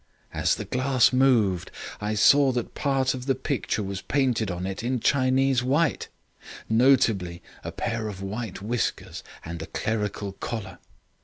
As the glass moved, I saw that part of the picture was painted on it in Chinese white, notably a pair of white whiskers and a clerical collar.